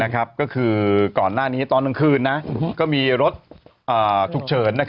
ก็คือก่อนหน้านี้ตอนกลางคืนก็มีรถฉุกเฉิน